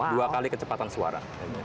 dua kali kecepatan suara